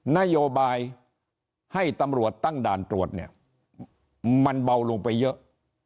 นโยบายให้ตำรวจตั้งด่านตรวจเนี่ยมันเบาลงไปเยอะ